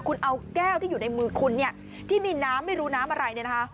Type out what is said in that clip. คุณเอาแก้วที่อยู่ในมือคุณเนี่ยที่มีน้ำไม่รู้น้ำอะไรเนี่ยนะคะ